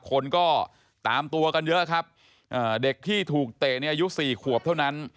คนก็ตามตัวกันเยอะครับเด็กที่ถูกเตะในอายุสี่ขวบเท่านั้น